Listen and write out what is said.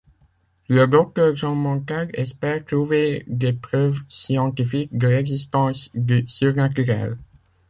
Le docteur John Montague espère trouver des preuves scientifiques de l'existence du surnaturel.